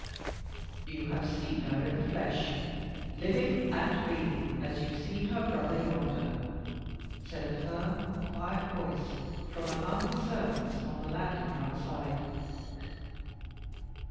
"You have seen her in the flesh, living and breathing as you see her brother yonder," said a firm, quiet voice, from among the servants on the landing outside.